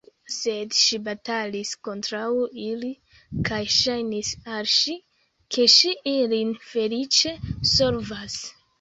Sed ŝi batalis kontraŭ ili, kaj ŝajnis al ŝi, ke ŝi ilin feliĉe solvas.